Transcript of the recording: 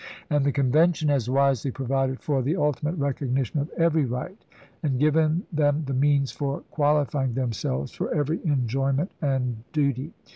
And the Convention has wisely provided for the ultimate recognition of every right, and given them the means for qualify ing themselves for every enjoyment and duty.